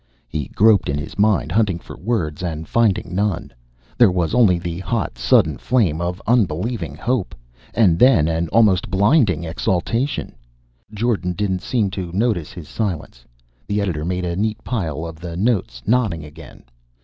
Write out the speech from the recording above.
He groped in his mind, hunting for words, and finding none. There was only the hot, sudden flame of unbelieving hope. And then an almost blinding exultation. Jordan didn't seem to notice his silence. The editor made a neat pile of the notes, nodding again.